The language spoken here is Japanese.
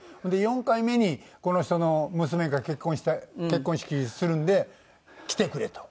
４回目にこの人の娘が結婚して結婚式するんで来てくれと。